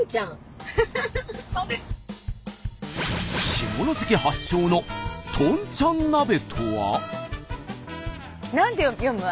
下関発祥のとんちゃん鍋とは？